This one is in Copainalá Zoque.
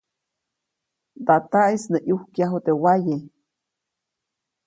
Ndataʼis nä ʼyukyaju teʼ wyaye.